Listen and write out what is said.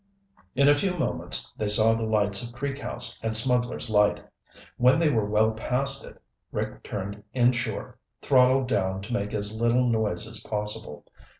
In a few moments they saw the lights of Creek House and Smugglers' Light. When they were well past it, Rick turned inshore, throttled down to make as little noise as possible.